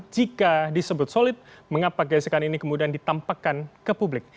jika disebut solid mengapa gesekan ini kemudian ditampakkan ke publik